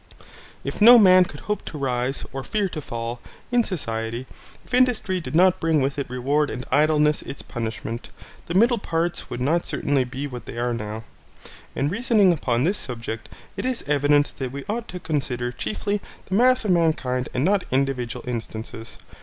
If no man could hope to rise or fear to fall, in society, if industry did not bring with it its reward and idleness its punishment, the middle parts would not certainly be what they now are. In reasoning upon this subject, it is evident that we ought to consider chiefly the mass of mankind and not individual instances.